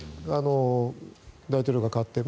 大統領が代わって。